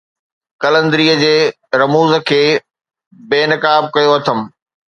قلندريءَ جي رموز کي بي نقاب ڪيو اٿم